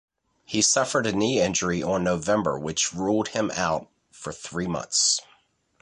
He suffered a knee injury on November which ruled him out for three months.